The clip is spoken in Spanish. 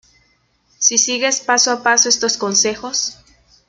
Si sigues paso a paso estos consejos